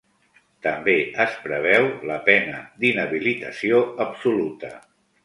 També es preveu la pena d’inhabilitació absoluta.